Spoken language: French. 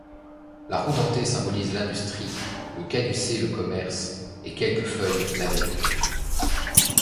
La roue dentée symbolise l'industrie, le caducée le commerce et quelques feuilles l'agriculture.